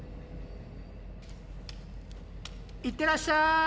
いってらっしゃい！